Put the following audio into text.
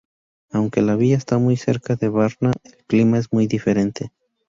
Aunque la villa está muy cerca de Varna, el clima es muy diferente.